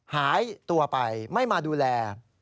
หายตัวไปไม่มาดูแล